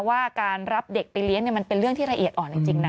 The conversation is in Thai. ว่าการรับเด็กไปเลี้ยงมันเป็นเรื่องที่ละเอียดอ่อนจริงนะ